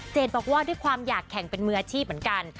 บอกว่าด้วยความอยากแข่งเป็นมืออาชีพเหมือนกัน